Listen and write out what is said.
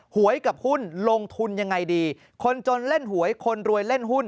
หวยกับหุ้นลงทุนยังไงดีคนจนเล่นหวยคนรวยเล่นหุ้น